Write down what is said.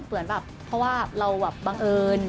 เหมือนแบบเพราะว่าเราแบบบังเอิญ